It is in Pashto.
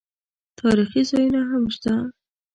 تاریخي ځایونه هم شته.